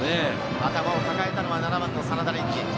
頭を抱えたのは７番の真田蓮司。